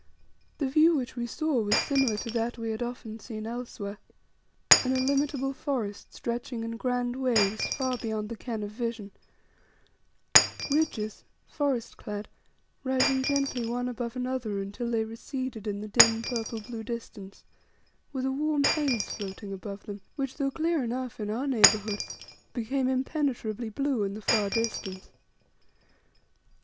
The view which we saw was similar to that we had often seen elsewhere. An illimitable forest stretching in grand waves far beyond the ken of vision ridges, forest clad, rising gently one above another until they receded in the dim purple blue distance with a warm haze floating above them, which, though clear enough in our neighbourhood, became impenetrably blue in the far distance.